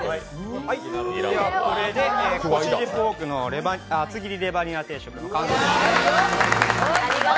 これで、こしじポークの厚切りレバニラ定食完成です。